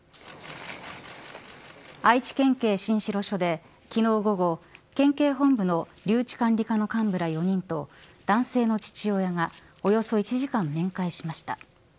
愛知県警新城署で昨日午後、県警本部の留置管理課の幹部ら４人と男性の父親がおよそ１時間面会しました。